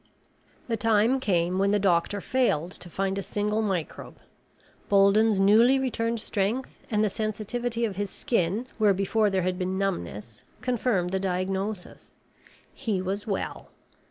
The time came when the doctor failed to find a single microbe. Bolden's newly returned strength and the sensitivity of his skin where before there had been numbness confirmed the diagnosis. He was well.